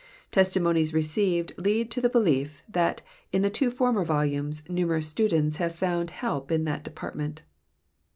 Testimonies received lead to the belief that in the two former volumes numerous students have found help in that department.